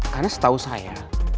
karena setahu saya